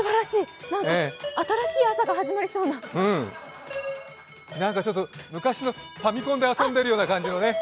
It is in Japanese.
なんか、新しい朝が始まりそうな何かちょっと、昔のファミコンで遊んでいるような感じね。